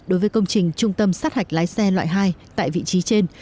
đối với công trình trung tâm sát hạch lái xe loại hai tại vị trí trên